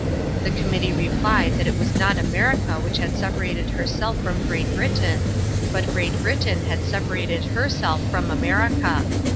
The committee replied that it was not America which had separated herself from Great Britain, but Great Britain had separated herself from America.